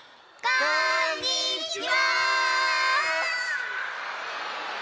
こんにちは！